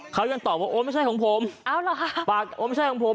เขายังตอบว่าโอ้ไม่ใช่ของผมปากโอ้ไม่ใช่ของผม